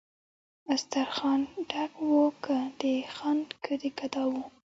سترخان ډک و که د خان که د ګدا وو